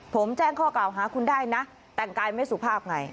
ผมแจ้งข้อกล่าวหาคุณได้นะแต่งกายไม่สุภาพไง